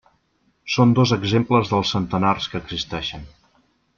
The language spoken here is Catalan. Són dos exemples dels centenars que existeixen.